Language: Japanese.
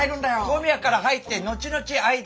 小宮から入って後々相田。